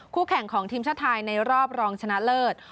แข่งของทีมชาติไทยในรอบรองชนะเลิศ